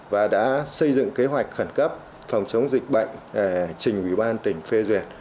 và đã xây dựng kế hoạch khẩn cấp phòng chống dịch bệnh để trình ủy ban tỉnh phê duyệt